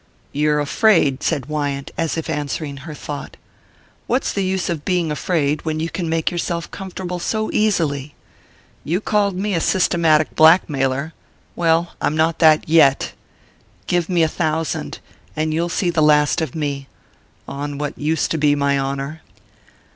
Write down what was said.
_ "You're afraid," said Wyant, as if answering her thought. "What's the use of being afraid when you can make yourself comfortable so easily? You called me a systematic blackmailer well, I'm not that yet. Give me a thousand and you'll see the last of me on what used to be my honour."